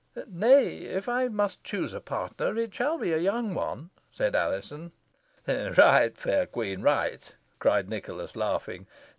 "Nay, if I must choose a partner, it shall be a young one," said Alizon. "Right, fair queen, right," cried Nicholas, laughing.